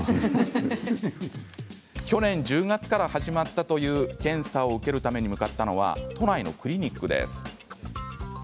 去年１０月から始まったという検査を受けるために向かったのは都内のクリニックです。